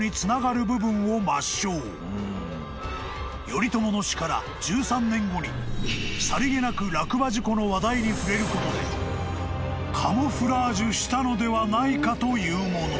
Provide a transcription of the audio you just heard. ［頼朝の死から１３年後にさりげなく落馬事故の話題に触れることでカムフラージュしたのではないかというもの］